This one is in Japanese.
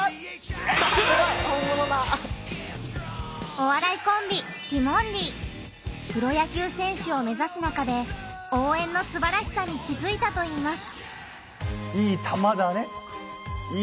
お笑いコンビプロ野球選手を目指す中で「応援」のすばらしさに気づいたといいます。